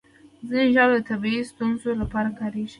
ځینې ژاولې د طبي ستونزو لپاره کارېږي.